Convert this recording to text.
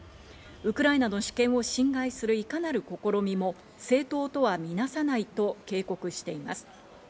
ウクライナの主権を侵害する、いかなる試みも正当とはみなさないと警告しています。